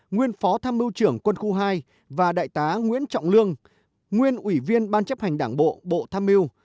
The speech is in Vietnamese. nguyên phó tham mưu trưởng quân khu hai và đại tá nguyễn trọng lương nguyên ủy viên ban chấp hành đảng bộ bộ tham mưu